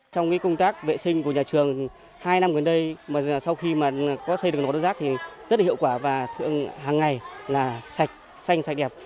trong công tác vệ sinh của nhà trường hai năm gần đây sau khi xây được lò đốt rác thì rất hiệu quả và thường hàng ngày là sạch sạch đẹp